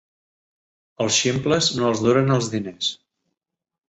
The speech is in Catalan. Els ximples no els duren els diners.